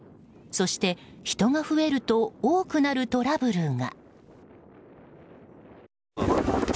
そして、人が増えると多くなるトラブルが。